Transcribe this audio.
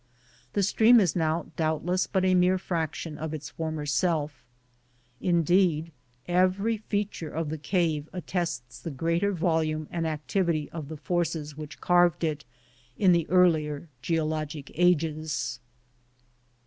The stream is now doubtless but a mere fraction of its former self. Indeed, every fea ture of the cave attests the greater volume and activity of the forces which carved it, in the IN MAMMOTH CAVE 249 earlier geologic ages.